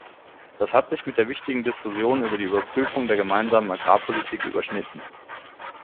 Das hat sich mit der wichtigen Diskussion über die Überprüfung der Gemeinsamen Agrarpolitik überschnitten.